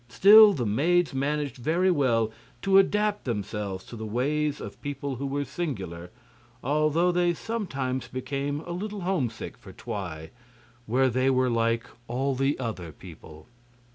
Still, the maids managed very well to adapt themselves to the ways of people who were singular, although they sometimes became a little homesick for Twi, where they were like all the other people.